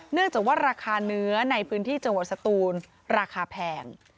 เนื่องจากว่าราคาเนื้อในพื้นที่จังหวัดสตูนราคาแพง